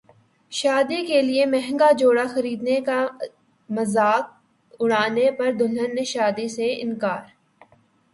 شادی کیلئے مہنگا جوڑا خریدنے کا مذاق اڑانے پر دلہن کا شادی سے انکار